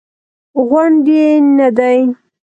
غونډ یې نه دی.